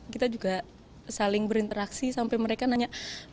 kita juga saling berinteraksi sampai mereka nanya